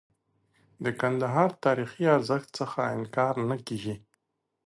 د کندهار د تاریخي ارزښت څخه انکار نه کيږي.